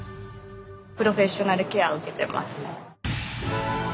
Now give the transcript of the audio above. プロフェッショナルケアを受けてます。